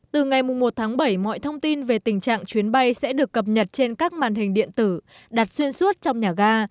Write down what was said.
từ ngày một tháng bảy mọi thông tin về tình trạng chuyến bay sẽ được cập nhật trên các màn hình điện tử đặt xuyên suốt trong nhà ga